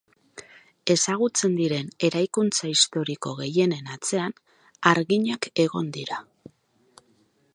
Ezagutzen diren eraikuntza historiko gehienen atzean harginak egon dira.